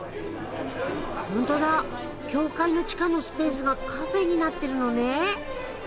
ホントだ教会の地下のスペースがカフェになってるのね。